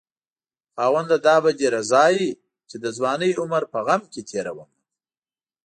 خاونده دا به دې رضا وي چې د ځوانۍ عمر په غم کې تېرومه